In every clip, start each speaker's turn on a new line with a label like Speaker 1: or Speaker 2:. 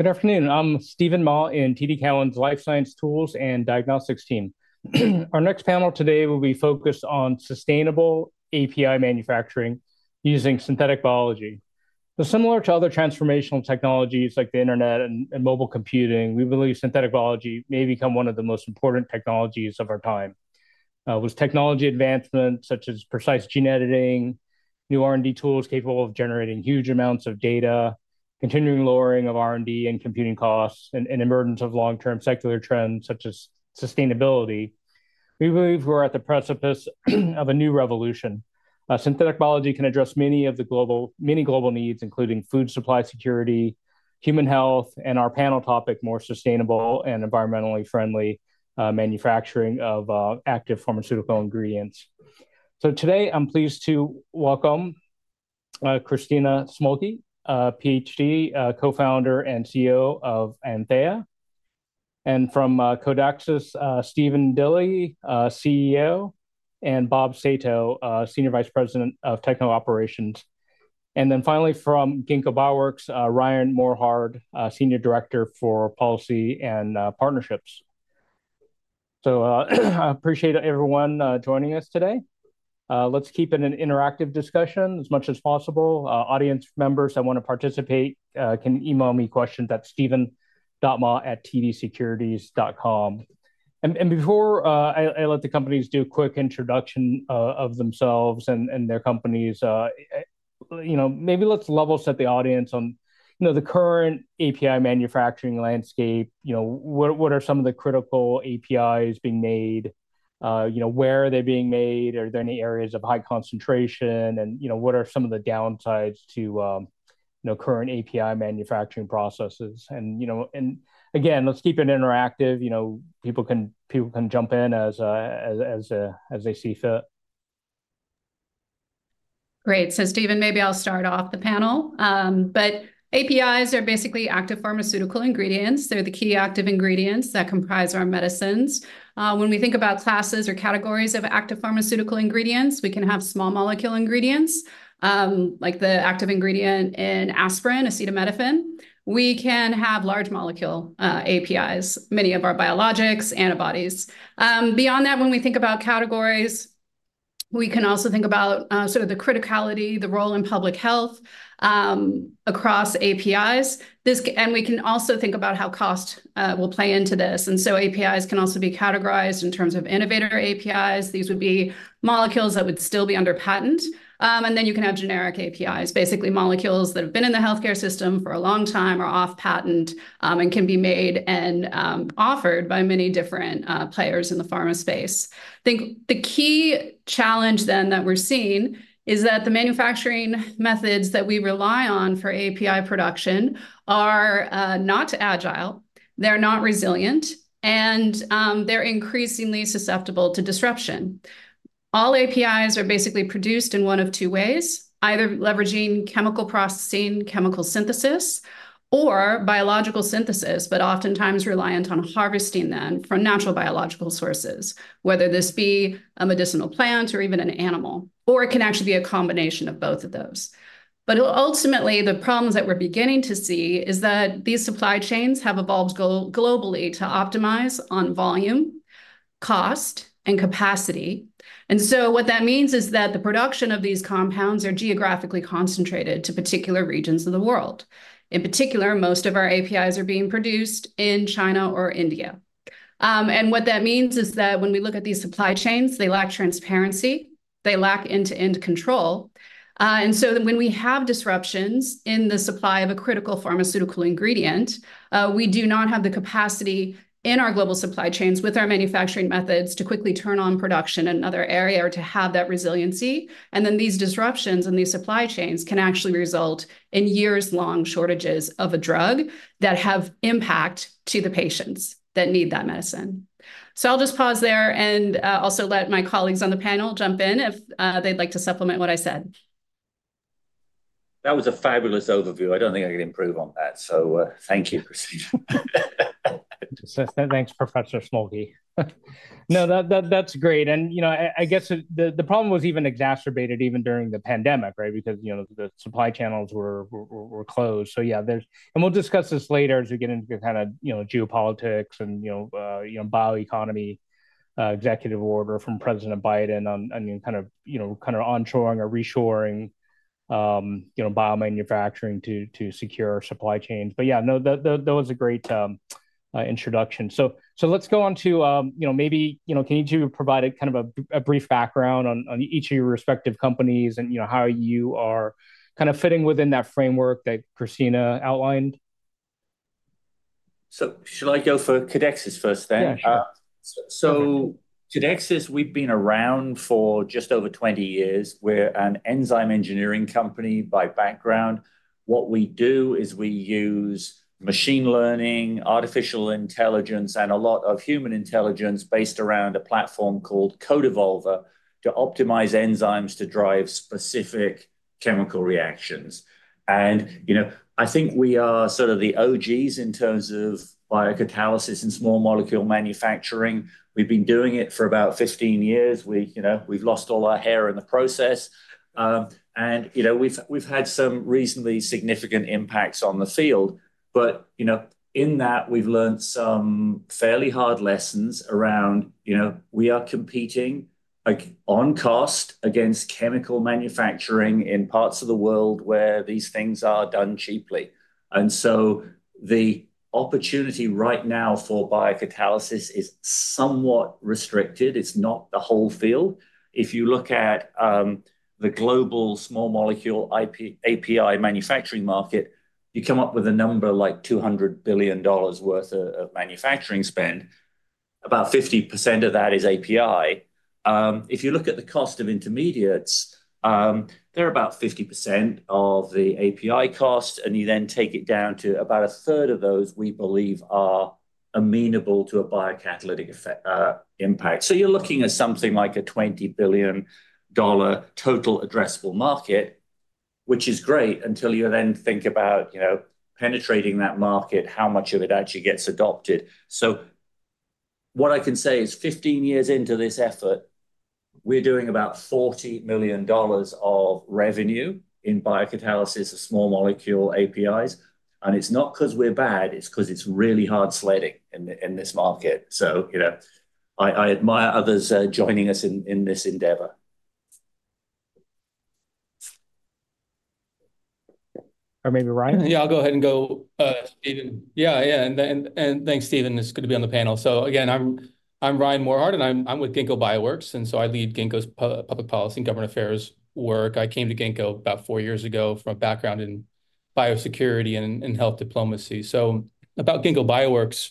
Speaker 1: All right. Good afternoon. I'm Stephen Ma in TD Cowen's Life Science Tools and Diagnostics team. Our next panel today will be focused on sustainable API manufacturing using synthetic biology. So similar to other transformational technologies like the internet and mobile computing, we believe synthetic biology may become one of the most important technologies of our time. With technology advancements such as precise gene editing, new R&D tools capable of generating huge amounts of data, continuing lowering of R&D and computing costs, and emergence of long-term secular trends such as sustainability, we believe we're at the precipice of a new revolution. Synthetic biology can address many of the global needs, including food supply security, human health, and our panel topic, more sustainable and environmentally friendly manufacturing of active pharmaceutical ingredients. So today, I'm pleased to welcome Christina Smolke, a Ph.D., Co-Founder and CEO of Antheia, and from Codexis, Stephen Dilly, CEO, and Bob Sato, Senior Vice President of Technical Operations. And then finally, from Ginkgo Bioworks, Ryan Morhard, Senior Director for Policy and Partnerships. So, I appreciate everyone joining us today. Let's keep it an interactive discussion as much as possible. Audience members that want to participate can email me questions at steven.ma@tdsecurities.com. And before I let the companies do a quick introduction of themselves and their companies, you know, maybe let's level set the audience on, you know, the current API manufacturing landscape. You know, what are some of the critical APIs being made? You know, where are they being made, are there any areas of high concentration? And, you know, what are some of the downsides to, you know, current API manufacturing processes? And, you know, and again, let's keep it interactive, you know, people can jump in as they see fit.
Speaker 2: Great! So Stephen, maybe I'll start off the panel. But APIs are basically active pharmaceutical ingredients. They're the key active ingredients that comprise our medicines. When we think about classes or categories of active pharmaceutical ingredients, we can have small molecule ingredients, like the active ingredient in aspirin, acetaminophen. We can have large molecule APIs, many of our biologics, antibodies. Beyond that, when we think about categories, we can also think about sort of the criticality, the role in public health across APIs. We can also think about how cost will play into this. APIs can also be categorized in terms of innovator APIs. These would be molecules that would still be under patent. And then you can have generic APIs, basically, molecules that have been in the healthcare system for a long time, are off patent, and can be made and offered by many different players in the pharma space. I think the key challenge then that we're seeing is that the manufacturing methods that we rely on for API production are not agile, they're not resilient, and they're increasingly susceptible to disruption. All APIs are basically produced in one of two ways, either leveraging chemical processing, chemical synthesis, or biological synthesis, but oftentimes reliant on harvesting them from natural biological sources, whether this be a medicinal plant or even an animal, or it can actually be a combination of both of those. But ultimately, the problems that we're beginning to see is that these supply chains have evolved globally to optimize on volume, cost, and capacity. And so what that means is that the production of these compounds are geographically concentrated to particular regions of the world. In particular, most of our APIs are being produced in China or India. And what that means is that when we look at these supply chains, they lack transparency, they lack end-to-end control. And so when we have disruptions in the supply of a critical pharmaceutical ingredient, we do not have the capacity in our global supply chains with our manufacturing methods to quickly turn on production in another area or to have that resiliency. And then, these disruptions in these supply chains can actually result in yearslong shortages of a drug that have impact to the patients that need that medicine. So I'll just pause there and, also let my colleagues on the panel jump in if, they'd like to supplement what I said.
Speaker 1: That was a fabulous overview. I don't think I could improve on that, so, thank you, Christina. So thanks, Professor Smolke. No, that's great. And, you know, I guess the problem was even exacerbated during the pandemic, right? Because, you know, the supply channels were closed. So yeah, there's... And we'll discuss this later as we get into the kind of, you know, geopolitics and, you know, you know, bioeconomy, executive order from President Biden on, I mean, kind of, you know, kind of onshoring or reshoring, you know, biomanufacturing to secure supply chains. But yeah, no, that was a great introduction. So, so let's go on to, you know, maybe, you know, can you two provide a kind of a, a brief background on, on each of your respective companies and, you know, how you are kind of fitting within that framework that Christina outlined? So should I go for Codexis first then? Yeah. So Codexis, we've been around for just over 20 years. We're an enzyme engineering company by background. What we do is we use machine learning, artificial intelligence, and a lot of human intelligence based around a platform called CodeEvolver, to optimize enzymes to drive specific-...
Speaker 3: chemical reactions. And, you know, I think we are sort of the OGs in terms of biocatalysis and small molecule manufacturing. We've been doing it for about 15 years. We, you know, we've lost all our hair in the process. And, you know, we've had some reasonably significant impacts on the field, but, you know, in that, we've learned some fairly hard lessons around, you know, we are competing, like, on cost against chemical manufacturing in parts of the world where these things are done cheaply. And so the opportunity right now for biocatalysis is somewhat restricted. It's not the whole field. If you look at the global small molecule API manufacturing market, you come up with a number like $200 billion worth of manufacturing spend. About 50% of that is API. If you look at the cost of intermediates, they're about 50% of the API cost, and you then take it down to about a third of those, we believe are amenable to a biocatalytic effect, impact. So you're looking at something like a $20 billion total addressable market, which is great, until you then think about, you know, penetrating that market, how much of it actually gets adopted? So what I can say is, 15 years into this effort, we're doing about $40 million of revenue in biocatalysis of small molecule APIs, and it's not because we're bad, it's because it's really hard sledding in the, in this market. So, you know, I admire others joining us in this endeavor. Or maybe Ryan?
Speaker 4: Yeah, I'll go ahead and go, Stephen. Yeah, yeah, and thanks, Stephen. It's good to be on the panel. So again, I'm Ryan Morhard, and I'm with Ginkgo Bioworks, and so I lead Ginkgo's public policy and government affairs work. I came to Ginkgo about four years ago from a background in biosecurity and in health diplomacy. So about Ginkgo Bioworks,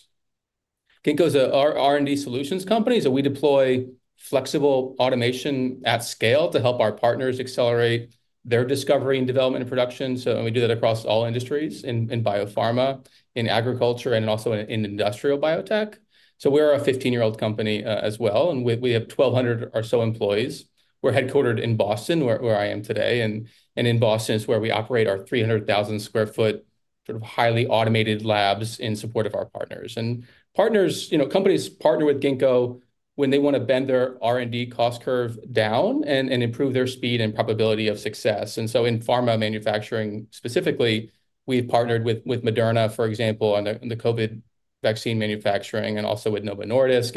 Speaker 4: Ginkgo's an R&D solutions company, so we deploy flexible automation at scale to help our partners accelerate their discovery and development and production. So we do that across all industries, in biopharma, in agriculture, and also in industrial biotech. So we're a 15-year-old company, as well, and we have 1,200 or so employees. We're headquartered in Boston, where I am today, and in Boston is where we operate our 300,000 sq ft sort of highly automated labs in support of our partners. And partners. You know, companies partner with Ginkgo when they want to bend their R&D cost curve down and improve their speed and probability of success. And so in pharma manufacturing, specifically, we've partnered with Moderna, for example, on the COVID vaccine manufacturing, and also with Novo Nordisk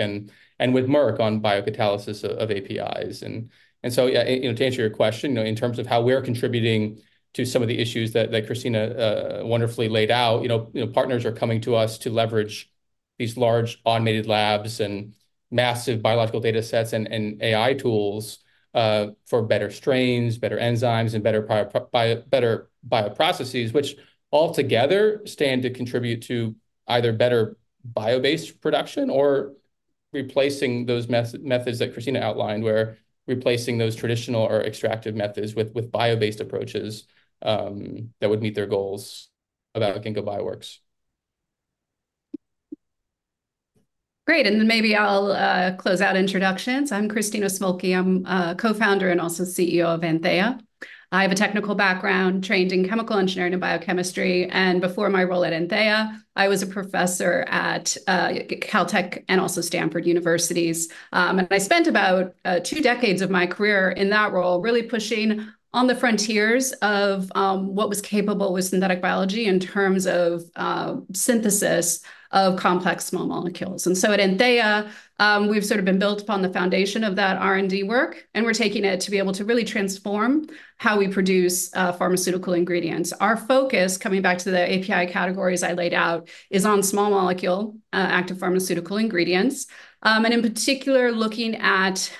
Speaker 4: and with Merck on biocatalysis of APIs. To answer your question, you know, in terms of how we're contributing to some of the issues that Christina wonderfully laid out, you know, partners are coming to us to leverage these large automated labs and massive biological data sets and AI tools for better strains, better enzymes, and better bioprocesses, which altogether stand to contribute to either better bio-based production or replacing those methods that Christina outlined, where replacing those traditional or extractive methods with bio-based approaches that would meet their goals about Ginkgo Bioworks.
Speaker 2: Great, and then maybe I'll close out introductions. I'm Christina Smolke. I'm co-founder and also CEO of Antheia. I have a technical background, trained in chemical engineering and biochemistry, and before my role at Antheia, I was a professor at Caltech and also Stanford universities. And I spent about two decades of my career in that role, really pushing on the frontiers of what was capable with synthetic biology in terms of synthesis of complex small molecules. So at Antheia, we've sort of been built upon the foundation of that R&D work, and we're taking it to be able to really transform how we produce pharmaceutical ingredients. Our focus, coming back to the API categories I laid out, is on small molecule, active pharmaceutical ingredients, and in particular, looking at,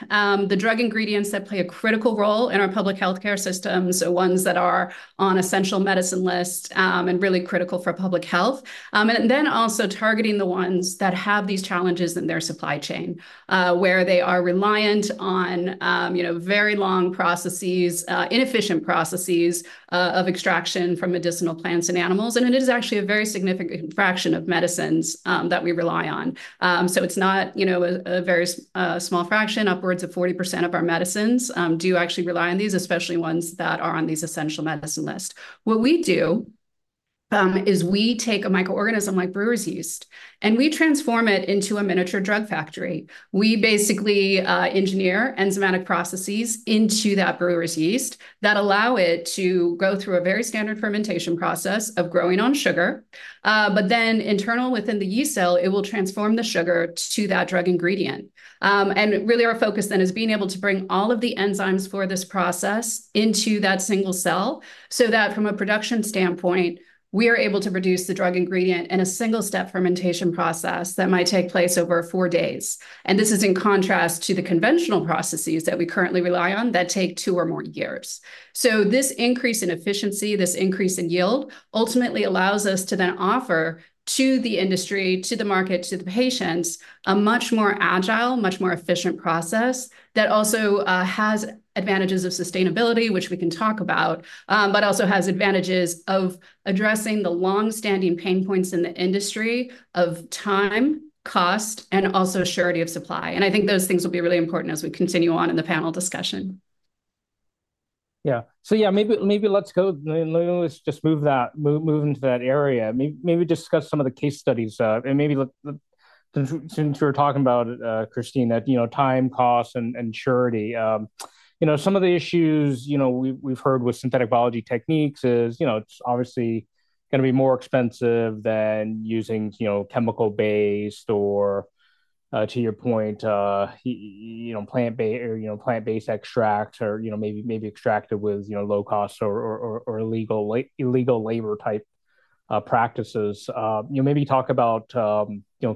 Speaker 2: the drug ingredients that play a critical role in our public healthcare system, so ones that are on essential medicine lists, and really critical for public health. And then also targeting the ones that have these challenges in their supply chain, where they are reliant on, you know, very long processes, inefficient processes, of extraction from medicinal plants and animals, and it is actually a very significant fraction of medicines, that we rely on. So it's not, you know, a, a very, small fraction. Upwards of 40% of our medicines, do actually rely on these, especially ones that are on these essential medicine list. What we do, is we take a microorganism like brewer's yeast, and we transform it into a miniature drug factory. We basically, engineer enzymatic processes into that brewer's yeast that allow it to go through a very standard fermentation process of growing on sugar. But then internal within the yeast cell, it will transform the sugar to that drug ingredient. And really, our focus then is being able to bring all of the enzymes for this process into that single cell, so that from a production standpoint, we are able to produce the drug ingredient in a single-step fermentation process that might take place over four days. And this is in contrast to the conventional processes that we currently rely on that take two or more years. So this increase in efficiency, this increase in yield, ultimately allows us to then offer to the industry, to the market, to the patients, a much more agile, much more efficient process that also has advantages of sustainability, which we can talk about, but also has advantages of addressing the long-standing pain points in the industry of time, cost, and also surety of supply. And I think those things will be really important as we continue on in the panel discussion. ...
Speaker 1: Yeah. So yeah, maybe let's go, maybe let's just move that, move into that area. Maybe discuss some of the case studies, and maybe look the—since we're talking about Christina, that, you know, time, cost, and surety. You know, some of the issues, you know, we've heard with synthetic biology techniques is, you know, it's obviously gonna be more expensive than using, you know, chemical-based or, to your point, you know, plant-based extract or, you know, maybe extracted with, you know, low cost or illegal labor-type practices. You know, maybe talk about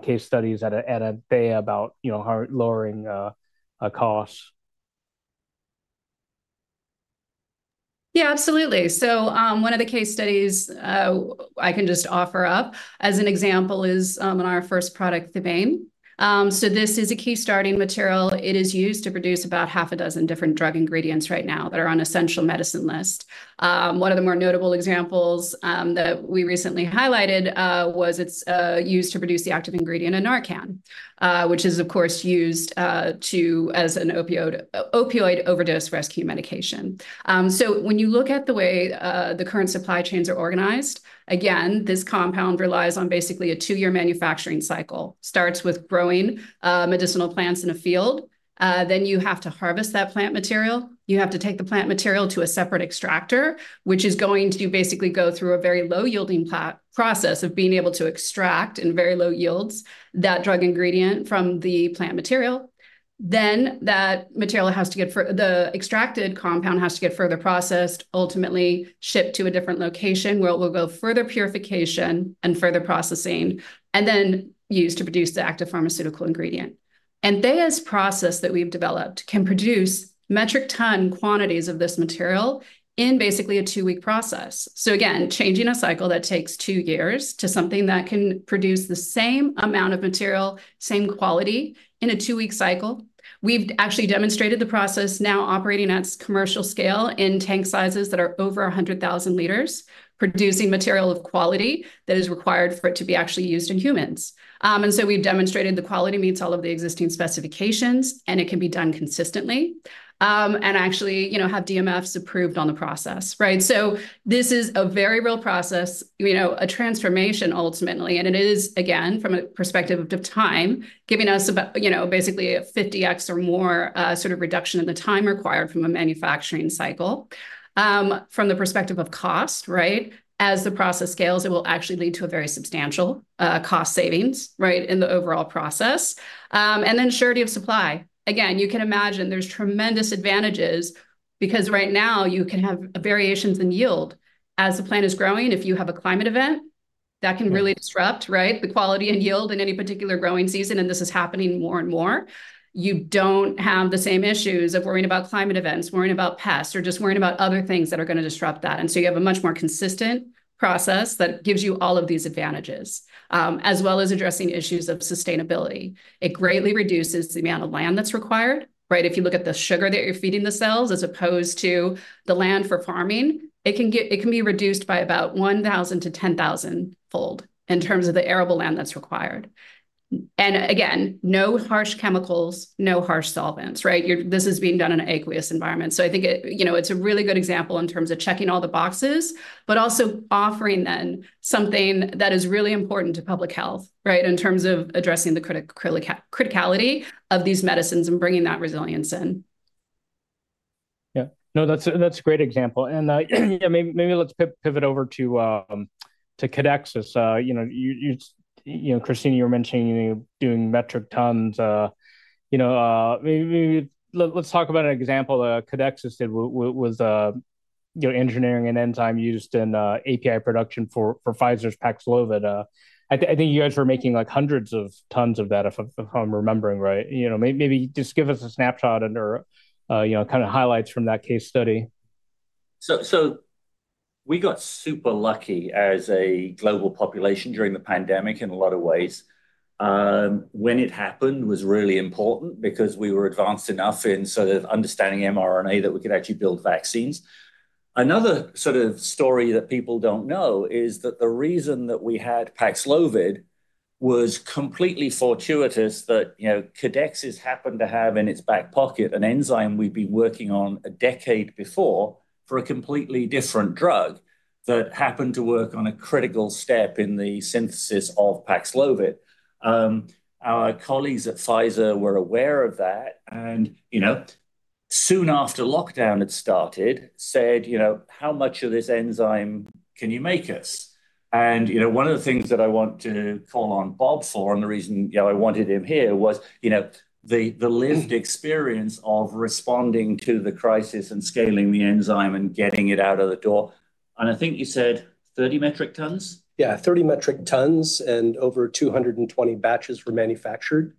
Speaker 1: case studies at Antheia about, you know, how lowering costs.
Speaker 2: Yeah, absolutely. So, one of the case studies, I can just offer up as an example is, in our first product, thebaine. So this is a key starting material. It is used to produce about half a dozen different drug ingredients right now that are on essential medicine list. One of the more notable examples, that we recently highlighted, was its use to produce the active ingredient in Narcan, which is, of course, used to as an opioid, opioid overdose rescue medication. So when you look at the way, the current supply chains are organized, again, this compound relies on basically a two-year manufacturing cycle. Starts with growing, medicinal plants in a field, then you have to harvest that plant material. You have to take the plant material to a separate extractor, which is going to basically go through a very low-yielding plant process of being able to extract in very low yields that drug ingredient from the plant material. Then that material, the extracted compound, has to get further processed, ultimately shipped to a different location, where it will go further purification and further processing, and then used to produce the active pharmaceutical ingredient. Antheia's process that we've developed can produce metric ton quantities of this material in basically a two-week process. So again, changing a cycle that takes two years to something that can produce the same amount of material, same quality in a two-week cycle. We've actually demonstrated the process now operating at commercial scale in tank sizes that are over 100,000 L, producing material of quality that is required for it to be actually used in humans. And so we've demonstrated the quality meets all of the existing specifications, and it can be done consistently, and actually, you know, have DMFs approved on the process, right? So this is a very real process, you know, a transformation ultimately, and it is, again, from a perspective of time, giving us about, you know, basically a 50x or more, sort of reduction in the time required from a manufacturing cycle. From the perspective of cost, right, as the process scales, it will actually lead to a very substantial cost savings, right, in the overall process. And then surety of supply. Again, you can imagine there's tremendous advantages, because right now you can have variations in yield. As the plant is growing, if you have a climate event, that can really disrupt, right, the quality and yield in any particular growing season, and this is happening more and more. You don't have the same issues of worrying about climate events, worrying about pests, or just worrying about other things that are gonna disrupt that. And so you have a much more consistent process that gives you all of these advantages, as well as addressing issues of sustainability. It greatly reduces the amount of land that's required, right? If you look at the sugar that you're feeding the cells as opposed to the land for farming, it can be reduced by about 1,000-10,000-fold in terms of the arable land that's required. And again, no harsh chemicals, no harsh solvents, right? You're, this is being done in an aqueous environment. So I think it, you know, it's a really good example in terms of checking all the boxes, but also offering then something that is really important to public health, right, in terms of addressing the criticality of these medicines and bringing that resilience in.
Speaker 1: Yeah. No, that's a great example. Yeah, maybe let's pivot over to Codexis. You know, Christina, you were mentioning doing metric tons, you know, let's talk about an example. Codexis was, you know, engineering an enzyme used in API production for Pfizer's Paxlovid. I think you guys were making, like, hundreds of tons of that, if I'm remembering right. You know, maybe just give us a snapshot and/or, you know, kind of highlights from that case study.
Speaker 3: So, so we got super lucky as a global population during the pandemic in a lot of ways. When it happened was really important because we were advanced enough in sort of understanding mRNA that we could actually build vaccines. Another sort of story that people don't know is that the reason that we had Paxlovid was completely fortuitous, that, you know, Codexis happened to have in its back pocket an enzyme we'd been working on a decade before for a completely different drug, that happened to work on a critical step in the synthesis of Paxlovid. Our colleagues at Pfizer were aware of that, and, you know, soon after lockdown had started, said: "You know, how much of this enzyme can you make us?" And, you know, one of the things that I want to call on Bob for, and the reason, you know, I wanted him here was, you know, the lived experience of responding to the crisis and scaling the enzyme and getting it out of the door. And I think you said 30 metric tons?
Speaker 5: Yeah, 30 metric tons, and over 220 batches were manufactured.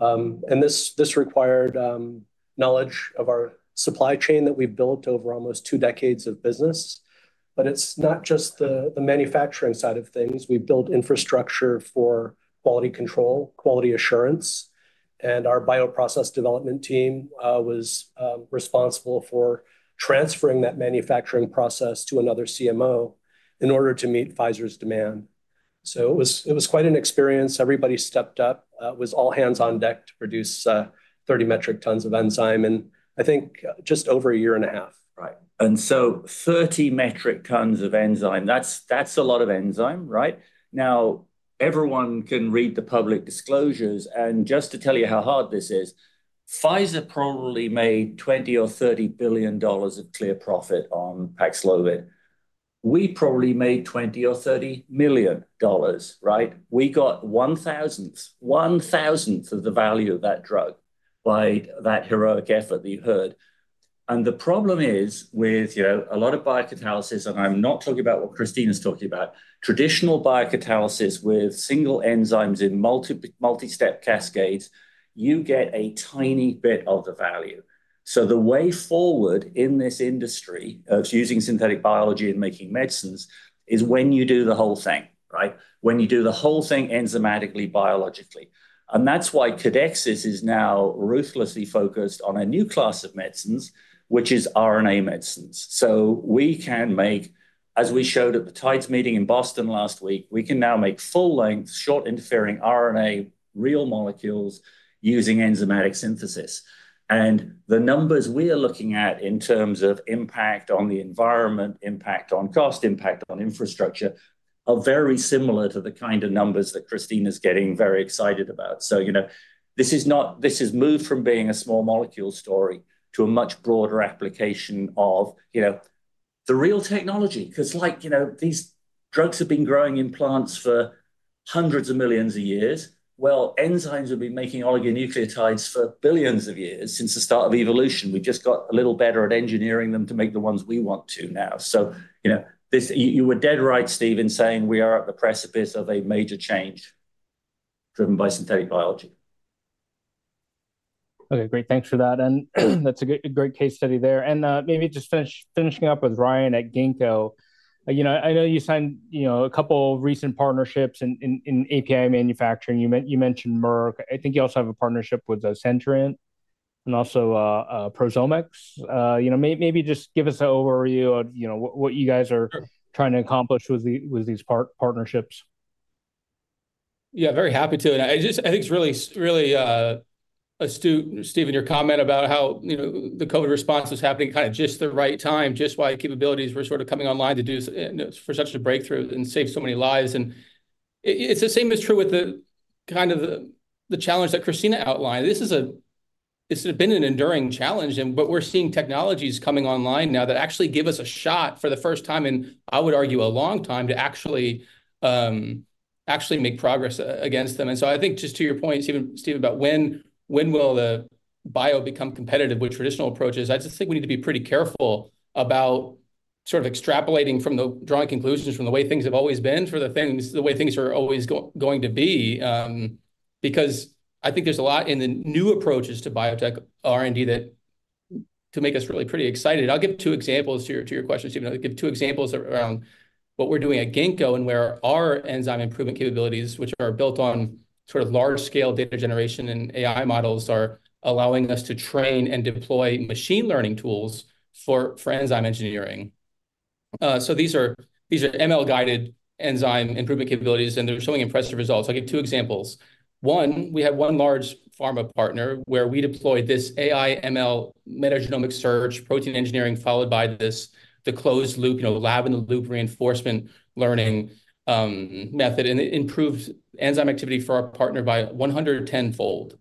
Speaker 5: And this, this required knowledge of our supply chain that we've built over almost two decades of business. But it's not just the, the manufacturing side of things. We've built infrastructure for quality control, quality assurance, and our bioprocess development team was responsible for transferring that manufacturing process to another CMO in order to meet Pfizer's demand....
Speaker 1: so it was, it was quite an experience. Everybody stepped up. It was all hands on deck to produce 30 metric tons of enzyme in, I think, just over a year and a half.
Speaker 3: Right. And so 30 metric tons of enzyme, that's, that's a lot of enzyme, right? Now, everyone can read the public disclosures, and just to tell you how hard this is, Pfizer probably made $20 billion or $30 billion of clear profit on Paxlovid. We probably made $20 million or $30 million, right? We got one-thousandth, one-thousandth of the value of that drug by that heroic effort that you heard. And the problem is, with, you know, a lot of biocatalysis, and I'm not talking about what Christina's talking about, traditional biocatalysis with single enzymes in multi-step cascades, you get a tiny bit of the value. So the way forward in this industry of using synthetic biology and making medicines is when you do the whole thing, right? When you do the whole thing enzymatically, biologically. And that's why Codexis is now ruthlessly focused on a new class of medicines, which is RNA medicines. So we can make, as we showed at the TIDES meeting in Boston last week, we can now make full-length short interfering RNA, real molecules, using enzymatic synthesis. And the numbers we are looking at in terms of impact on the environment, impact on cost, impact on infrastructure, are very similar to the kind of numbers that Christina is getting very excited about. So, you know, this is not. This has moved from being a small molecule story to a much broader application of, you know, the real technology. 'Cause, like, you know, these drugs have been growing in plants for hundreds of millions of years. Well, enzymes have been making oligonucleotides for billions of years, since the start of evolution. We've just got a little better at engineering them to make the ones we want to now. So, you know, this you were dead right, Stephen, saying we are at the precipice of a major change driven by synthetic biology.
Speaker 1: Okay, great. Thanks for that, and that's a great case study there. And, maybe just finishing up with Ryan at Ginkgo. You know, I know you signed, you know, a couple recent partnerships in API manufacturing. You mentioned Merck. I think you also have a partnership with Centrient and also Prozomix. You know, maybe just give us an overview of, you know, what you guys are trying to accomplish with these partnerships.
Speaker 4: Yeah, very happy to, and I just think it's really astute, Stephen, your comment about how, you know, the COVID response was happening kind of just the right time, just as capabilities were sort of coming online to do so, you know, for such a breakthrough and save so many lives. And the same is true with the kind of challenge that Christina outlined. This has been an enduring challenge, but we're seeing technologies coming online now that actually give us a shot for the first time in, I would argue, a long time, to actually make progress against them. And so I think, just to your point, Stephen, about when will the bio become competitive with traditional approaches? I just think we need to be pretty careful about sort of extrapolating from the drawing conclusions from the way things have always been for the way things are always going to be. Because I think there's a lot in the new approaches to biotech R&D that to make us really pretty excited. I'll give two examples to your question, Stephen. I'll give two examples around what we're doing at Ginkgo and where our enzyme improvement capabilities, which are built on sort of large-scale data generation and AI models, are allowing us to train and deploy machine learning tools for enzyme engineering. So these are ML-guided enzyme improvement capabilities, and they're showing impressive results. I'll give two examples. One, we have one large pharma partner where we deployed this AI, ML, metagenomic search, protein engineering, followed by this, the closed loop, you know, lab in the loop reinforcement learning method, and it improved enzyme activity for our partner by 110-fold.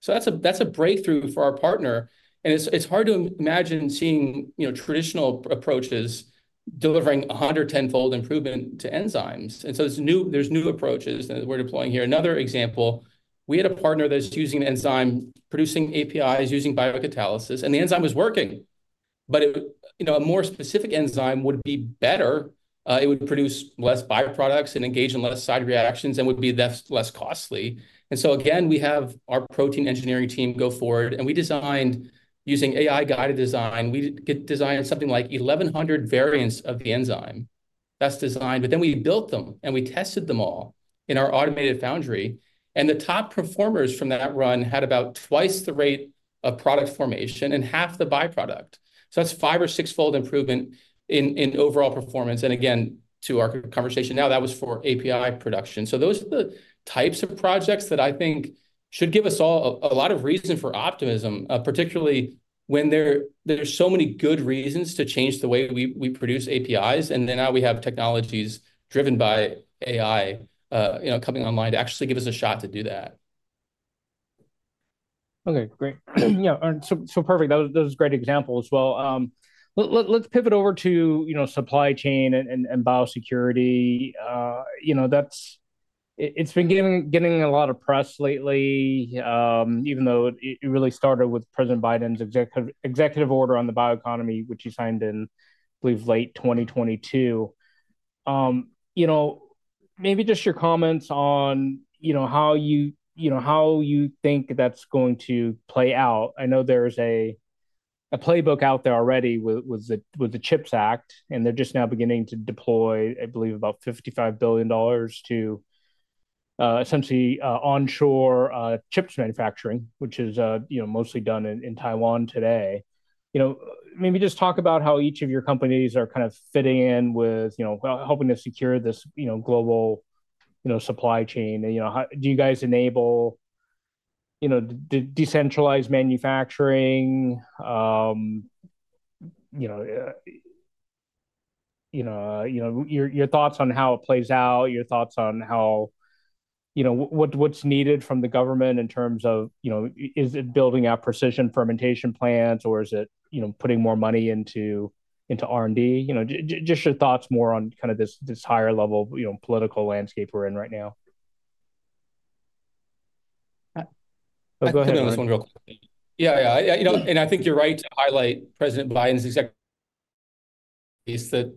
Speaker 4: So that's a, that's a breakthrough for our partner, and it's, it's hard to imagine seeing, you know, traditional approaches delivering a 110-fold improvement to enzymes. And so there's new, there's new approaches that we're deploying here. Another example, we had a partner that's using an enzyme, producing APIs, using biocatalysis, and the enzyme was working. But it, you know, a more specific enzyme would be better. It would produce less byproducts and engage in less side reactions and would be less, less costly. So again, we have our protein engineering team go forward, and we designed, using AI-guided design, we designed something like 1,100 variants of the enzyme. That's designed, but then we built them, and we tested them all in our automated foundry, and the top performers from that run had about twice the rate of product formation and half the byproduct. So that's five- or six-fold improvement in overall performance, and again, to our conversation now, that was for API production. So those are the types of projects that I think should give us all a lot of reason for optimism, particularly when there are so many good reasons to change the way we produce APIs, and then now we have technologies driven by AI, you know, coming online to actually give us a shot to do that.
Speaker 1: Okay, great. Yeah, so, so perfect. Those, those are great examples. Well, let's pivot over to, you know, supply chain and, and, biosecurity. You know, that's... It's been getting, getting a lot of press lately, even though it really started with President Biden's executive order on the bioeconomy, which he signed in, I believe, late 2022. You know, maybe just your comments on, you know, how you, you know, how you think that's going to play out. I know there's a playbook out there already with the CHIPS Act, and they're just now beginning to deploy, I believe, about $55 billion to... essentially, onshore, chips manufacturing, which is, you know, mostly done in Taiwan today. You know, maybe just talk about how each of your companies are kind of fitting in with, you know, well, helping to secure this, you know, global, you know, supply chain. And, you know, how do you guys enable, you know, decentralize manufacturing? You know, your thoughts on how it plays out, your thoughts on how, you know, what, what's needed from the government in terms of, you know, is it building out precision fermentation plants, or is it, you know, putting more money into R&D? You know, just your thoughts more on kind of this, this higher level, you know, political landscape we're in right now.
Speaker 4: I-
Speaker 1: Oh, go ahead, Ryan.
Speaker 4: Yeah, yeah. You know, and I think you're right to highlight President Biden's executive... is that,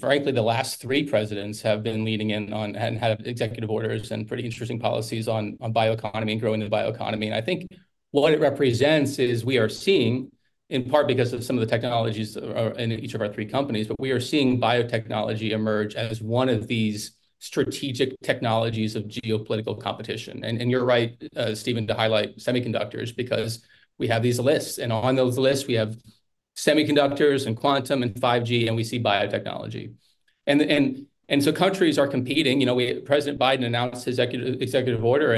Speaker 4: frankly, the last three presidents have been leaning in on and had executive orders and pretty interesting policies on bioeconomy and growing the bioeconomy. And I think what it represents is we are seeing, in part because of some of the technologies in each of our three companies, but we are seeing biotechnology emerge as one of these strategic technologies of geopolitical competition. And you're right, Stephen, to highlight semiconductors, because we have these lists, and on those lists, we have semiconductors and quantum and 5G, and we see biotechnology. And so countries are competing. You know, we President Biden announced his executive order,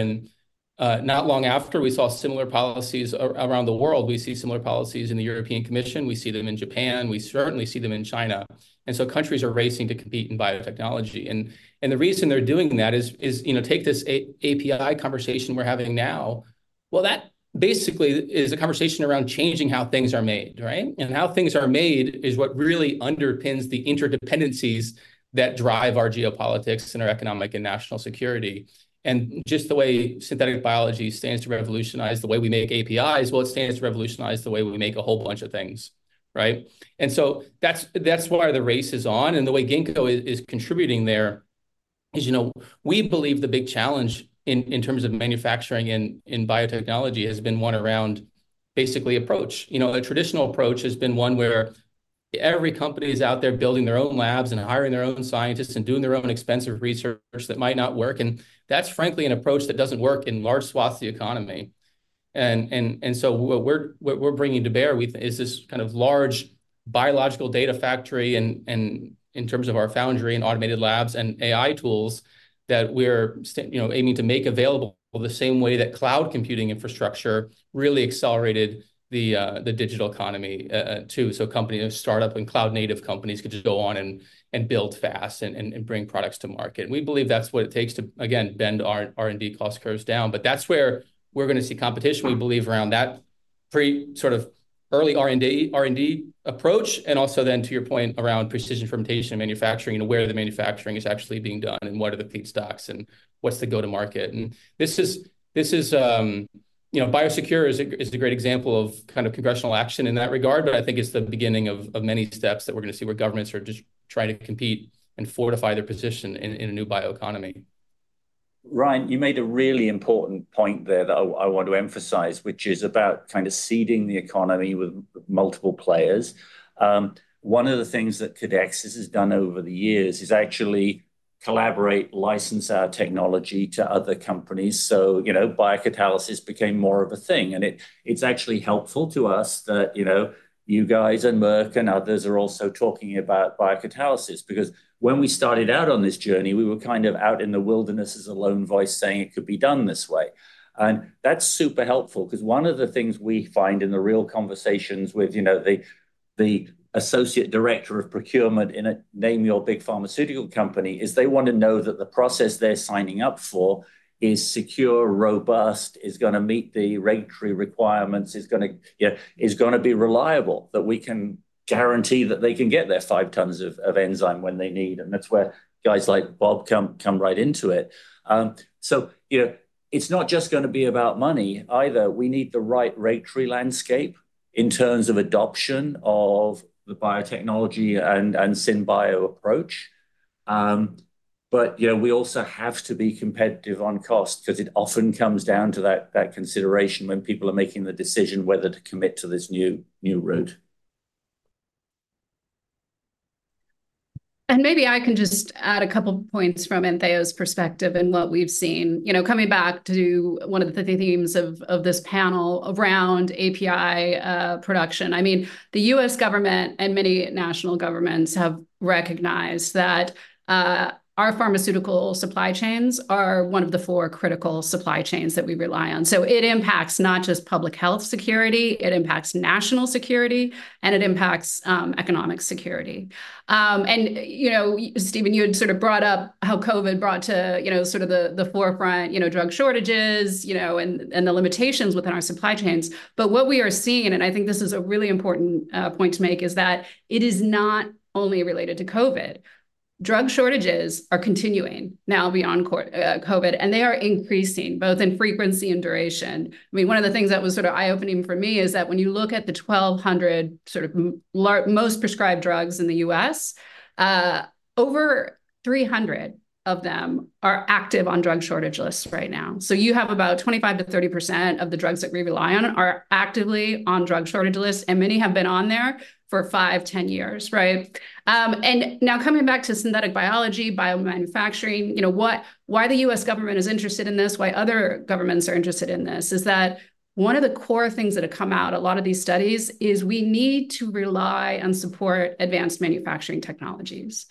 Speaker 4: and not long after, we saw similar policies around the world. We see similar policies in the European Commission. We see them in Japan. We certainly see them in China. And so countries are racing to compete in biotechnology. And the reason they're doing that is, you know, take this API conversation we're having now. Well, that basically is a conversation around changing how things are made, right? And how things are made is what really underpins the interdependencies that drive our geopolitics and our economic and national security. And just the way synthetic biology stands to revolutionize the way we make APIs, well, it stands to revolutionize the way we make a whole bunch of things, right? And so that's why the race is on, and the way Ginkgo is contributing there is, you know, we believe the big challenge in terms of manufacturing in biotechnology has been one around basically approach. You know, a traditional approach has been one where every company is out there building their own labs and hiring their own scientists and doing their own expensive research that might not work, and that's frankly an approach that doesn't work in large swaths of the economy. And so what we're bringing to bear with is this kind of large biological data factory, and in terms of our foundry and automated labs and AI tools, that we're you know aiming to make available the same way that cloud computing infrastructure really accelerated the digital economy too. So company and start-up and cloud-native companies could just go on and build fast and bring products to market. And we believe that's what it takes to, again, bend our R&D cost curves down. But that's where we're gonna see competition, we believe, around that pre sort of early R&D, R&D approach, and also then to your point around precision fermentation, manufacturing, and where the manufacturing is actually being done, and what are the feedstocks, and what's the go-to-market. And this is, you know, BIOSECURE is a great example of kind of congressional action in that regard, but I think it's the beginning of many steps that we're gonna see, where governments are just trying to compete and fortify their position in a new bioeconomy.
Speaker 3: Ryan, you made a really important point there that I want to emphasize, which is about kind of seeding the economy with multiple players. One of the things that Codexis has done over the years is actually collaborate, license our technology to other companies. So, you know, biocatalysis became more of a thing, and it's actually helpful to us that, you know, you guys and Merck and others are also talking about biocatalysis. Because when we started out on this journey, we were kind of out in the wilderness as a lone voice, saying it could be done this way. And that's super helpful because one of the things we find in the real conversations with, you know, the associate director of procurement in a name your big pharmaceutical company, is they want to know that the process they're signing up for is secure, robust, is gonna meet the regulatory requirements, is gonna, yeah, is gonna be reliable, that we can guarantee that they can get their 5 tons of enzyme when they need. And that's where guys like Bob come right into it. So, you know, it's not just gonna be about money either. We need the right regulatory landscape in terms of adoption of the biotechnology and syn bio approach. But, you know, we also have to be competitive on cost, because it often comes down to that consideration when people are making the decision whether to commit to this new route.
Speaker 2: Maybe I can just add a couple points from Antheia's perspective and what we've seen. You know, coming back to one of the themes of this panel around API production, I mean, the U.S. government and many national governments have recognized that our pharmaceutical supply chains are one of the four critical supply chains that we rely on. So it impacts not just public health security, it impacts national security, and it impacts economic security. You know, Stephen, you had sort of brought up how COVID brought to, you know, sort of the forefront, you know, drug shortages, you know, and the limitations within our supply chains. But what we are seeing, and I think this is a really important point to make, is that it is not only related to COVID. Drug shortages are continuing now beyond COVID, and they are increasing both in frequency and duration. I mean, one of the things that was sort of eye-opening for me is that when you look at the 1,200 sort of most prescribed drugs in the U.S., over 300 of them are active on drug shortage lists right now. So you have about 25%-30% of the drugs that we rely on are actively on drug shortage lists, and many have been on there for 5, 10 years, right? And now coming back to Synthetic Biology, biomanufacturing, you know, why the U.S. government is interested in this, why other governments are interested in this, is that one of the core things that have come out a lot of these studies is we need to rely on support advanced manufacturing technologies.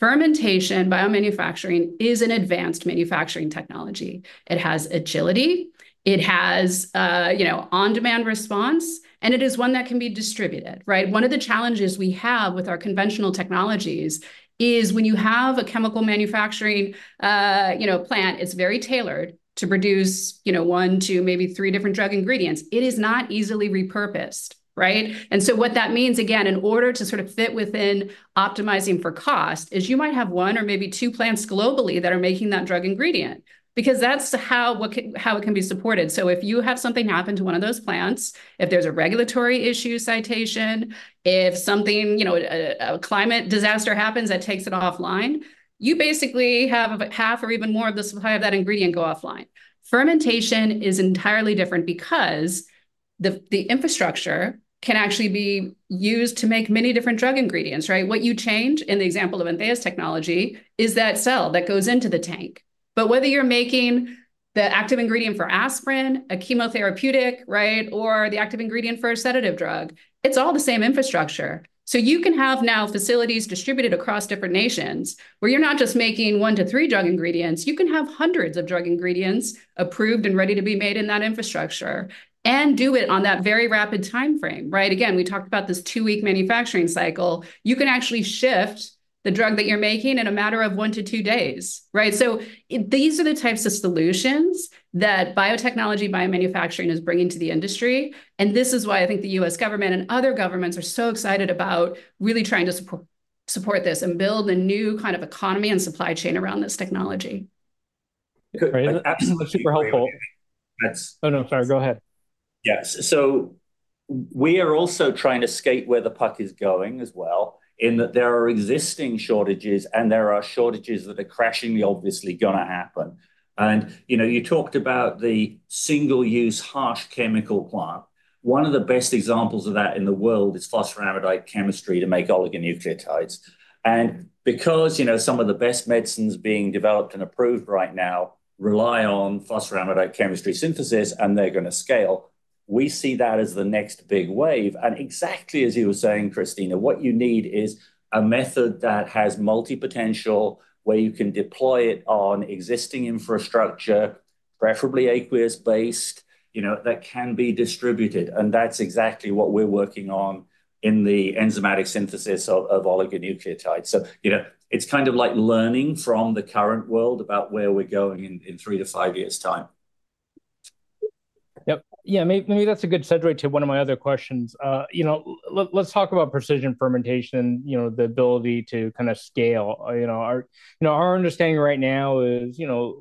Speaker 2: Fermentation, biomanufacturing is an advanced manufacturing technology. It has agility, it has, you know, on-demand response, and it is one that can be distributed, right? One of the challenges we have with our conventional technologies is when you have a chemical manufacturing, you know, plant, it's very tailored to produce, you know, 1, 2, maybe 3 different drug ingredients. It is not easily repurposed, right? And so what that means, again, in order to sort of fit within optimizing for cost, is you might have 1 or maybe 2 plants globally that are making that drug ingredient, because that's how how it can be supported. So if you have something happen to one of those plants, if there's a regulatory issue citation, if something, you know, a climate disaster happens that takes it offline, you basically have a half or even more of the supply of that ingredient go offline. Fermentation is entirely different because the infrastructure can actually be used to make many different drug ingredients, right? What you change in the example of Antheia's technology is that cell that goes into the tank. But whether you're making the active ingredient for aspirin, a chemotherapeutic, right, or the active ingredient for a sedative drug, it's all the same infrastructure. So you can have now facilities distributed across different nations, where you're not just making one to three drug ingredients. You can have hundreds of drug ingredients approved and ready to be made in that infrastructure and do it on that very rapid timeframe, right? Again, we talked about this 2-week manufacturing cycle. You can actually shift the drug that you're making in a matter of 1-2 days, right? So these are the types of solutions that biotechnology, biomanufacturing is bringing to the industry, and this is why I think the U.S. government and other governments are so excited about really trying to support this and build a new kind of economy and supply chain around this technology.
Speaker 1: Great. Absolutely super helpful.
Speaker 3: That's-
Speaker 1: Oh, no, sorry. Go ahead.
Speaker 3: Yes. So we are also trying to skate where the puck is going as well, in that there are existing shortages, and there are shortages that are crushingly obviously gonna happen. And, you know, you talked about the single-use harsh chemical plant. One of the best examples of that in the world is phosphoramidite chemistry to make oligonucleotides. And because, you know, some of the best medicines being developed and approved right now rely on phosphoramidite chemistry synthesis, and they're gonna scale, we see that as the next big wave. And exactly as you were saying, Christina, what you need is a method that has multipotential, where you can deploy it on existing infrastructure, preferably aqueous-based, you know, that can be distributed, and that's exactly what we're working on in the enzymatic synthesis of oligonucleotides. You know, it's kind of like learning from the current world about where we're going in 3-5 years' time.
Speaker 1: Yep. Yeah, maybe that's a good segue to one of my other questions. You know, let's talk about precision fermentation, you know, the ability to kind of scale. You know, our, you know, our understanding right now is, you know,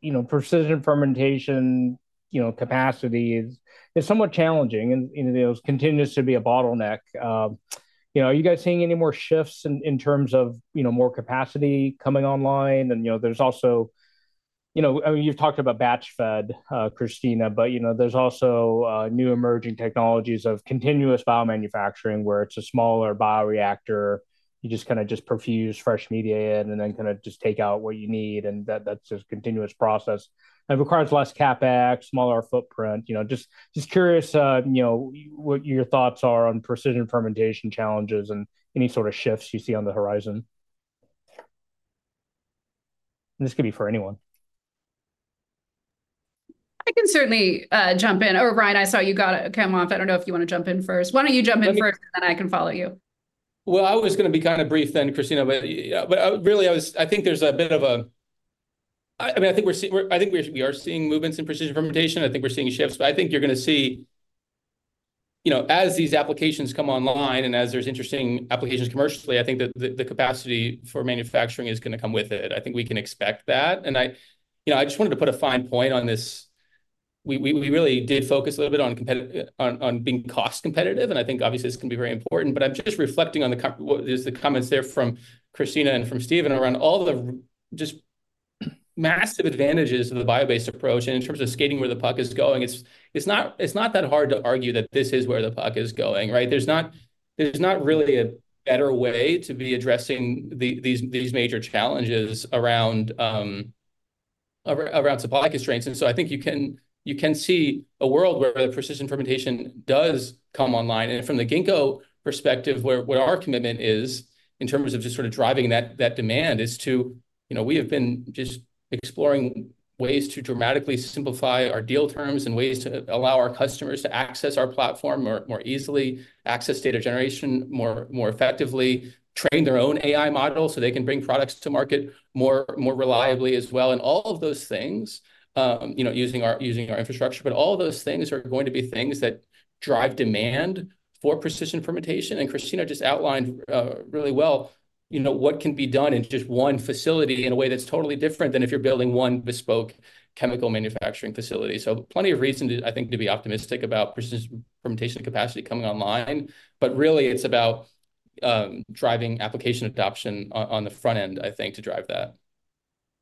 Speaker 1: you know, precision fermentation, you know, capacity is somewhat challenging, and, you know, it continues to be a bottleneck. You know, are you guys seeing any more shifts in terms of, you know, more capacity coming online? And, you know, there's also... You know, I mean, you've talked about batch fed, Christina, but, you know, there's also new emerging technologies of continuous biomanufacturing, where it's a smaller bioreactor. You just kinda just perfuse fresh media in, and then kinda just take out what you need, and that, that's a continuous process. It requires less CapEx, smaller footprint. You know, just, just curious, you know, what your thoughts are on precision fermentation challenges and any sort of shifts you see on the horizon. This could be for anyone.
Speaker 2: I can certainly jump in. Oh, Brian, I saw you gotta come off. I don't know if you wanna jump in first. Why don't you jump in first, and then I can follow you?
Speaker 4: Well, I was gonna be kind of brief then, Christina, but really, I was—I think there's a bit of a... I mean, I think we're seeing—I think we are seeing movements in precision fermentation. I think we're seeing shifts, but I think you're gonna see, you know, as these applications come online and as there's interesting applications commercially, I think that the capacity for manufacturing is gonna come with it. I think we can expect that. And I, you know, I just wanted to put a fine point on this. We really did focus a little bit on being cost competitive, and I think obviously this can be very important. But I'm just reflecting on the comments there from Christina and from Stephen around all the just massive advantages of the bio-based approach. And in terms of skating where the puck is going, it's not that hard to argue that this is where the puck is going, right? There's not really a better way to be addressing these major challenges around supply constraints. And so I think you can see a world where the precision fermentation does come online. And from the Ginkgo perspective, where our commitment is, in terms of just sort of driving that demand, is to... You know, we have been just exploring ways to dramatically simplify our deal terms and ways to allow our customers to access our platform more, more easily, access data generation more, more effectively, train their own AI models so they can bring products to market more, more reliably as well. And all of those things, you know, using our, using our infrastructure, but all of those things are going to be things that drive demand for precision fermentation. And Christina just outlined really well-...
Speaker 5: you know, what can be done in just one facility in a way that's totally different than if you're building one bespoke chemical manufacturing facility. So plenty of reason to, I think, to be optimistic about precision fermentation capacity coming online. But really, it's about, driving application adoption on, on the front end, I think, to drive that.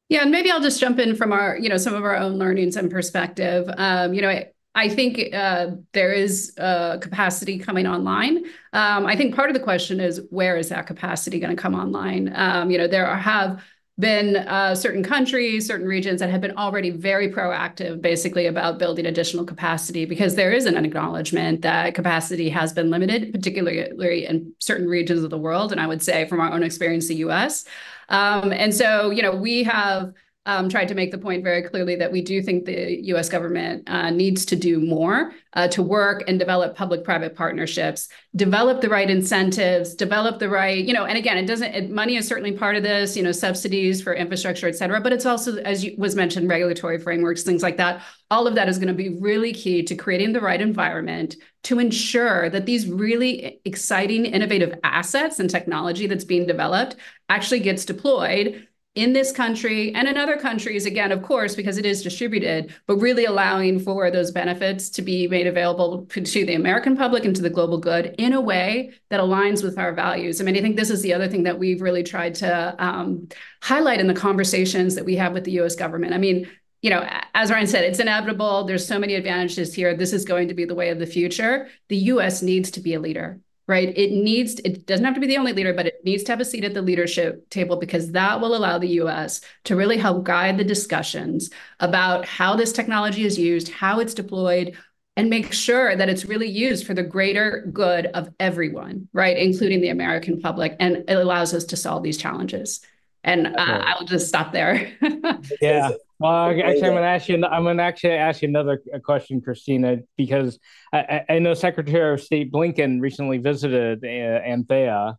Speaker 2: Yeah, and maybe I'll just jump in from our, you know, some of our own learnings and perspective. You know, I think there is capacity coming online. I think part of the question is: Where is that capacity gonna come online? You know, there have been certain countries, certain regions that have been already very proactive, basically, about building additional capacity. Because there is an acknowledgment that capacity has been limited, particularly in certain regions of the world, and I would say from our own experience, the US. And so, you know, we have tried to make the point very clearly that we do think the US government needs to do more to work and develop public-private partnerships, develop the right incentives, develop the right-- You know, and again, it doesn't... Money is certainly part of this, you know, subsidies for infrastructure, et cetera, but it's also, as was mentioned, regulatory frameworks, things like that. All of that is gonna be really key to creating the right environment to ensure that these really exciting, innovative assets and technology that's being developed actually gets deployed in this country and in other countries, again, of course, because it is distributed. But really allowing for those benefits to be made available to the American public and to the global good in a way that aligns with our values. I mean, I think this is the other thing that we've really tried to highlight in the conversations that we have with the U.S. government. I mean, you know, as Ryan said, it's inevitable. There's so many advantages here. This is going to be the way of the future. The U.S. needs to be a leader, right? It needs. It doesn't have to be the only leader, but it needs to have a seat at the leadership table because that will allow the U.S. to really help guide the discussions about how this technology is used, how it's deployed, and make sure that it's really used for the greater good of everyone, right, including the American public, and it allows us to solve these challenges.
Speaker 5: Okay...
Speaker 2: I'll just stop there.
Speaker 5: Yeah.
Speaker 1: Actually, I'm gonna ask you another question, Christina, because I know Secretary of State Blinken recently visited Antheia.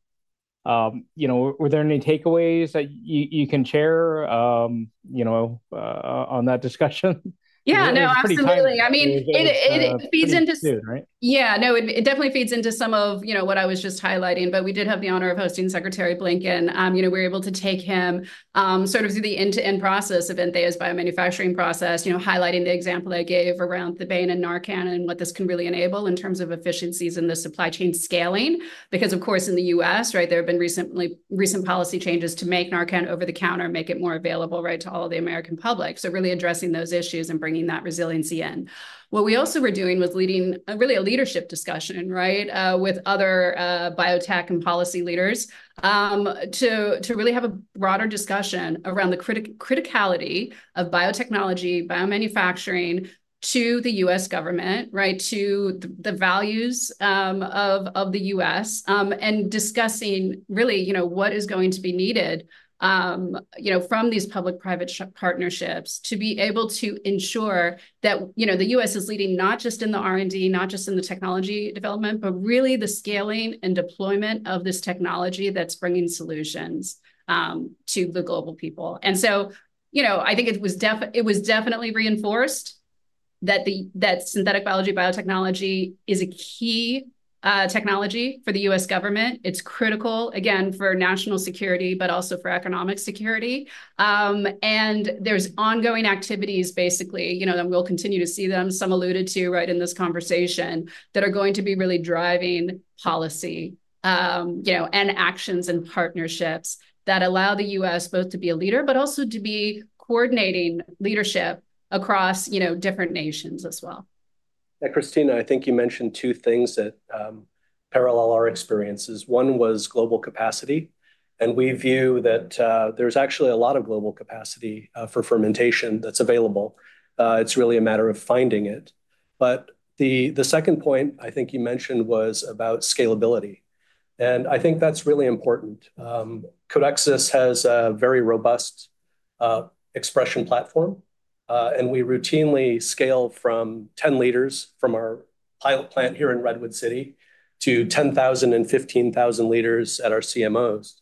Speaker 1: You know, were there any takeaways that you can share, you know, on that discussion?
Speaker 2: Yeah, no, absolutely.
Speaker 1: It was pretty timely.
Speaker 2: I mean, it feeds into-
Speaker 1: Pretty soon, right?
Speaker 2: Yeah, no, it, it definitely feeds into some of, you know, what I was just highlighting. But we did have the honor of hosting Secretary Blinken. You know, we were able to take him sort of through the end-to-end process of Antheia's biomanufacturing process. You know, highlighting the example I gave around the thebaine of Narcan and what this can really enable in terms of efficiencies in the supply chain scaling. Because, of course, in the U.S., right, there have been recent policy changes to make Narcan over the counter, make it more available, right, to all of the American public. So really addressing those issues and bringing that resiliency in. What we also were doing was leading really a leadership discussion, right, with other biotech and policy leaders, to really have a broader discussion around the criticality of biotechnology, biomanufacturing to the U.S. government, right, to the values of the U.S. And discussing really, you know, what is going to be needed, you know, from these public-private partnerships to be able to ensure that, you know, the U.S. is leading not just in the R&D, not just in the technology development, but really the scaling and deployment of this technology that's bringing solutions to the global people. And so, you know, I think it was definitely reinforced that synthetic biology, biotechnology is a key technology for the U.S. government. It's critical, again, for national security, but also for economic security. And there's ongoing activities, basically, you know, that we'll continue to see them, some alluded to, right, in this conversation, that are going to be really driving policy, you know, and actions and partnerships that allow the U.S. both to be a leader, but also to be coordinating leadership across, you know, different nations as well.
Speaker 5: Christina, I think you mentioned two things that parallel our experiences. One was global capacity, and we view that there's actually a lot of global capacity for fermentation that's available. It's really a matter of finding it. But the second point I think you mentioned was about scalability, and I think that's really important. Codexis has a very robust expression platform, and we routinely scale from 10 L from our pilot plant here in Redwood City to 10,000 and 15,000 L at our CMOs.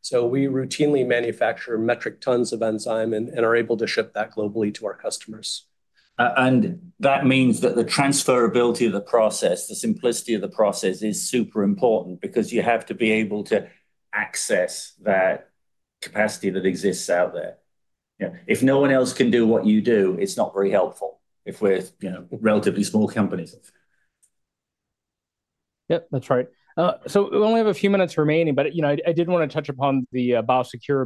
Speaker 5: So we routinely manufacture metric tons of enzyme and are able to ship that globally to our customers.
Speaker 3: That means that the transferability of the process, the simplicity of the process is super important because you have to be able to access that capacity that exists out there. You know, if no one else can do what you do, it's not very helpful if we're, you know, relatively small companies.
Speaker 1: Yep, that's right. So we only have a few minutes remaining, but, you know, I did wanna touch upon the BIOSECURE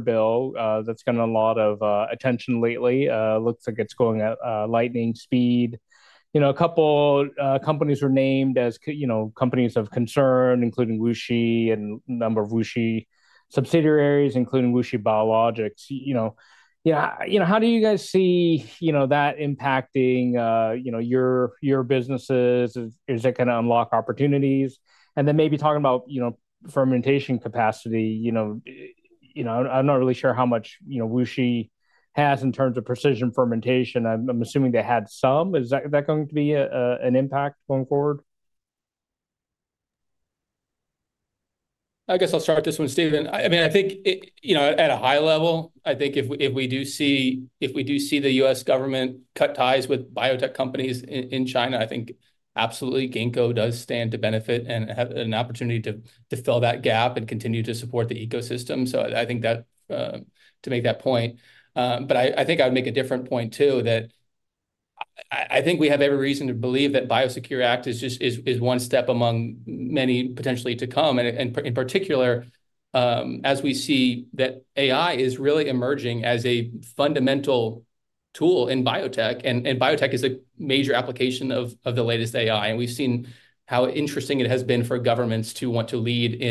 Speaker 1: Act that's gotten a lot of attention lately. Looks like it's going at lightning speed. You know, a couple companies were named, you know, companies of concern, including WuXi and a number of WuXi subsidiaries, including WuXi Biologics. You know, yeah, you know, how do you guys see, you know, that impacting, you know, your, your businesses? Is it gonna unlock opportunities? And then maybe talking about, you know, fermentation capacity, you know, you know, I'm not really sure how much, you know, WuXi has in terms of precision fermentation. I'm assuming they had some. Is that going to be an impact going forward? ...
Speaker 4: I guess I'll start this one, Stephen. I mean, I think it, you know, at a high level, I think if we do see the U.S. government cut ties with biotech companies in China, I think absolutely Ginkgo does stand to benefit and have an opportunity to fill that gap and continue to support the ecosystem. So I think that to make that point, but I think I would make a different point, too, that I think we have every reason to believe that BIOSECURE Act is just one step among many potentially to come, and in particular, as we see that AI is really emerging as a fundamental tool in biotech, and biotech is a major application of the latest AI. We've seen how interesting it has been for governments to want to lead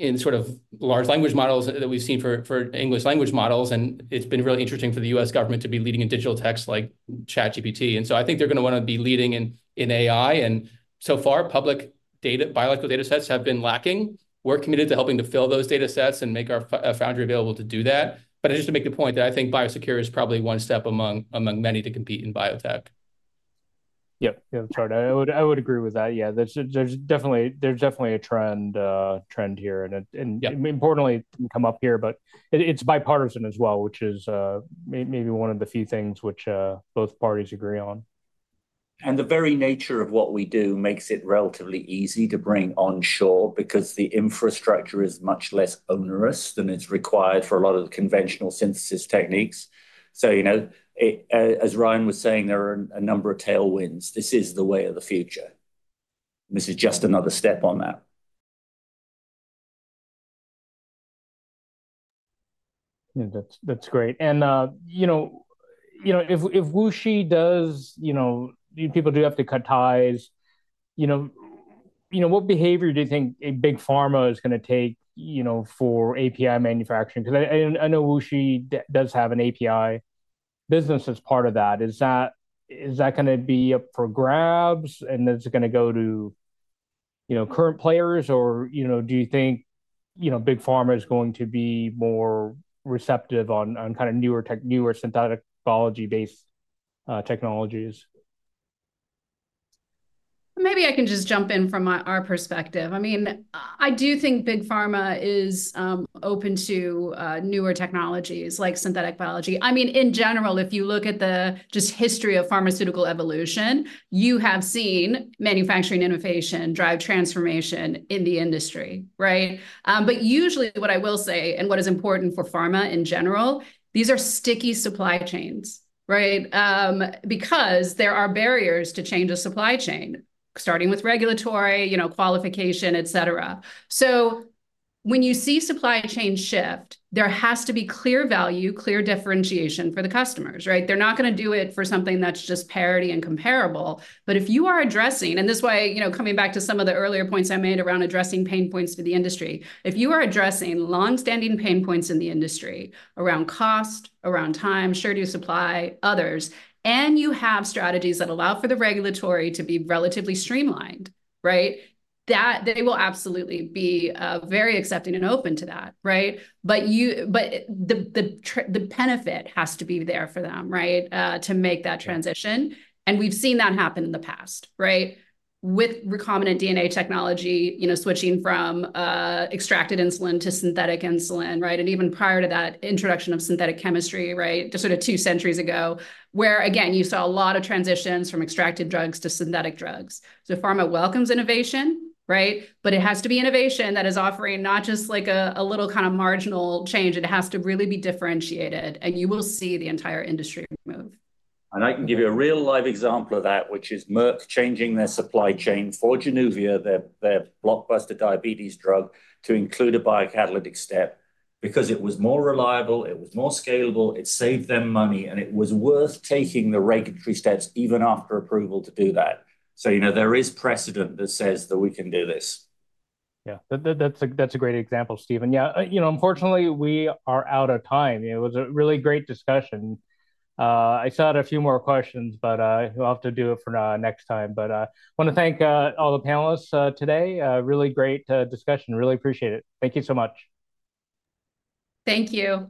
Speaker 4: in sort of large language models that we've seen for English language models, and it's been really interesting for the U.S. government to be leading in digital texts like ChatGPT. So I think they're gonna wanna be leading in AI, and so far, public biological data sets have been lacking. We're committed to helping to fill those data sets and make our foundry available to do that. But just to make the point that I think BIOSECURE is probably one step among many to compete in biotech.
Speaker 1: Yep, yeah, sorry. I would, I would agree with that. Yeah, there's, there's definitely, there's definitely a trend, trend here, and, and-
Speaker 4: Yeah...
Speaker 1: importantly, come up here, but it, it's bipartisan as well, which is, maybe one of the few things which both parties agree on.
Speaker 3: The very nature of what we do makes it relatively easy to bring onshore because the infrastructure is much less onerous than is required for a lot of the conventional synthesis techniques. So, you know, it, as Ryan was saying, there are a number of tailwinds. This is the way of the future. This is just another step on that.
Speaker 1: Yeah, that's great. And, you know, if WuXi does, you know... These people do have to cut ties, you know, what behavior do you think big pharma is gonna take, you know, for API manufacturing? 'Cause I know WuXi does have an API business as part of that. Is that gonna be up for grabs, and is it gonna go to, you know, current players, or, you know, do you think, you know, big pharma is going to be more receptive on kind of newer tech, newer synthetic biology-based technologies?
Speaker 2: Maybe I can just jump in from my, our perspective. I mean, I do think Big Pharma is open to newer technologies like Synthetic Biology. I mean, in general, if you look at the just history of pharmaceutical evolution, you have seen manufacturing innovation drive transformation in the industry, right? But usually, what I will say and what is important for pharma in general, these are sticky supply chains, right? Because there are barriers to change a supply chain, starting with regulatory, you know, qualification, et cetera. So when you see supply chain shift, there has to be clear value, clear differentiation for the customers, right? They're not gonna do it for something that's just parity and comparable. But if you are addressing, and this is why, you know, coming back to some of the earlier points I made around addressing pain points for the industry, if you are addressing long-standing pain points in the industry around cost, around time, sure do you supply others, and you have strategies that allow for the regulatory to be relatively streamlined, right? They will absolutely be very accepting and open to that, right? But the benefit has to be there for them, right, to make that transition, and we've seen that happen in the past, right? With recombinant DNA technology, you know, switching from extracted insulin to synthetic insulin, right? And even prior to that, introduction of synthetic chemistry, right, just sort of two centuries ago, where, again, you saw a lot of transitions from extracted drugs to synthetic drugs. So pharma welcomes innovation, right? But it has to be innovation that is offering not just, like, a little kind of marginal change. It has to really be differentiated, and you will see the entire industry move.
Speaker 3: I can give you a real-life example of that, which is Merck changing their supply chain for Januvia, their, their blockbuster diabetes drug, to include a biocatalytic step. Because it was more reliable, it was more scalable, it saved them money, and it was worth taking the regulatory steps, even after approval, to do that. So, you know, there is precedent that says that we can do this.
Speaker 1: Yeah, that's a great example, Stephen. Yeah, you know, unfortunately, we are out of time. It was a really great discussion. I still had a few more questions, but we'll have to do it for next time. But I wanna thank all the panelists today. Really great discussion. Really appreciate it. Thank you so much.
Speaker 2: Thank you.